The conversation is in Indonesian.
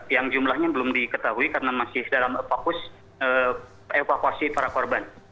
yang jumlahnya belum diketahui karena masih dalam fokus evakuasi para korban